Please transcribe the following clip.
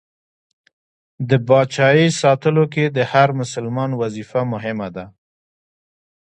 د پاچایۍ ساتلو کې د هر بسلمان وظیفه مهمه ده.